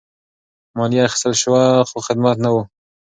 مالیه اخیستل شوه خو خدمت نه وو.